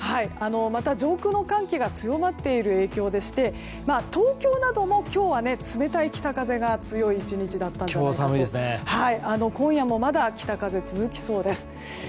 また上空の寒気が強まっている影響でして東京なども今日は冷たい北風が強い１日だったんですが今夜もまだ北風が続きそうです。